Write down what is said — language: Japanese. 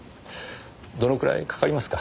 どのくらいかかりますか？